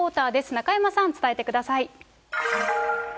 中山さん、伝えてください。